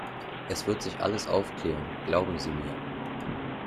Es wird sich alles aufklären, glauben Sie mir!